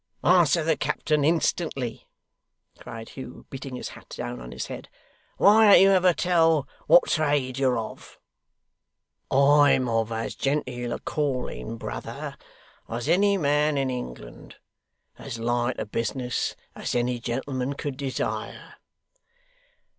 'Answer the captain instantly,' cried Hugh, beating his hat down on his head; 'why don't you ever tell what trade you're of?' 'I'm of as gen teel a calling, brother, as any man in England as light a business as any gentleman could desire.